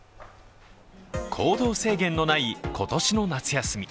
行動制限のない今年の夏休み。